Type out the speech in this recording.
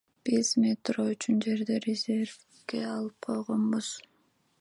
Биз метро үчүн жерди резервге алып койгонбуз.